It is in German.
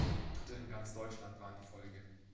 Auftritte in ganz Deutschland waren die Folge.